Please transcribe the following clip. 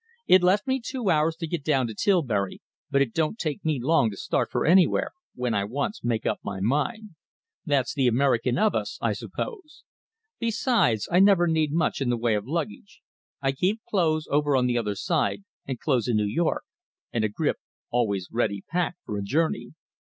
"It left me two hours to get down to Tilbury, but it don't take me long to start for anywhere when I once make up my mind. That's the American of us, I suppose. Besides, I never need much in the way of luggage. I keep clothes over on the other side and clothes in New York, and a grip always ready packed for a journey."